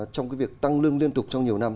trong cái việc tăng lương liên tục trong nhiều năm